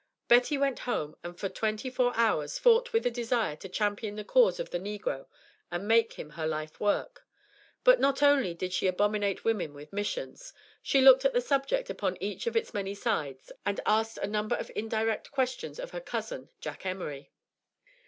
Betty went home and for twenty four hours fought with the desire to champion the cause of the negro and make him her life work. But not only did she abominate women with missions; she looked at the subject upon each of its many sides and asked a number of indirect questions of her cousin, Jack Emory.